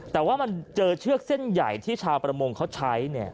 แต่ว่ามันเจอเชือกเส้นใหญ่ที่ชาวประมงเขาใช้